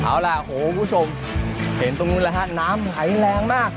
เอาล่ะโหคุณผู้ชมเห็นตรงนู้นแล้วฮะน้ำไหลแรงมาก